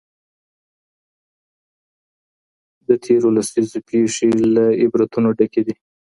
د تېرو لسیزو پېښې له عبرتونو ډکې دي.